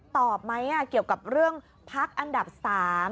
ตอบไหมเกี่ยวกับเรื่องพักอันดับ๓